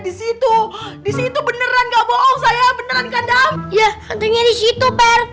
disitu disitu beneran gak bohong saya beneran kandam ya hantunya disitu pak rt